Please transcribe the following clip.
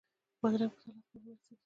بادرنګ په سلاد کې مهم حیثیت لري.